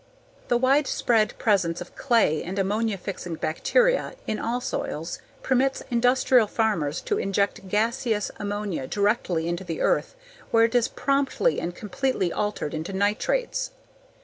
The widespread presence of clay and ammonia fixing bacteria in all soils permits industrial farmers to inject gaseous ammonia directly into the earth where it is promptly and completely altered into nitrates.